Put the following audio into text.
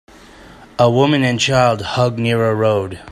A woman and child hug near a road.